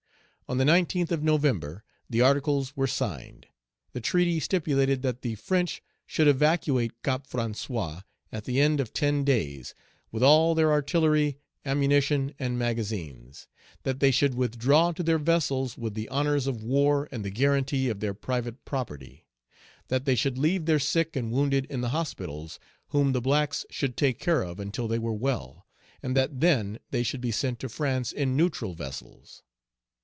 On the 19th of November, the articles were signed. The treaty stipulated that the French should evacuate Cap François at the end of ten Page 274 days, with all their artillery, ammunition, and magazines; that they should withdraw to their vessels with the honors of war and the guarantee of their private property; that they should leave their sick and wounded in the hospitals, whom the blacks should take care of until they were well, and that then they should be sent to France in neutral vessels.